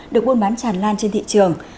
được buôn bán tràn lan trên thị trường